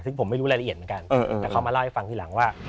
ซึ่งผมไม่รู้รายละเอียดเหมือนกันแต่เขามาเล่าให้ฟังทีหลังว่า